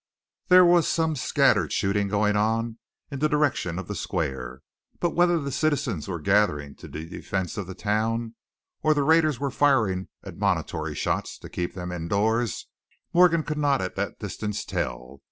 There was some scattered shooting going on in the direction of the square, but whether the citizens were gathering to the defense of the town, or the raiders were firing admonitory shots to keep them indoors, Morgan could not at that distance tell.